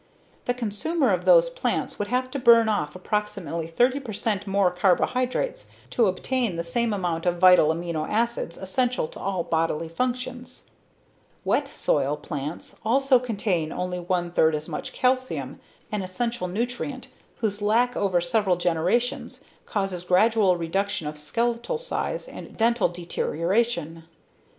The consumer of those plants would have to burn off approximately 30 percent more carbohydrates to obtain the same amount of vital amino acids essential to all bodily functions. Wet soil plants also contain only one third as much calcium, an essential nutrient, whose lack over several generations causes gradual reduction of skeletal size and dental deterioration.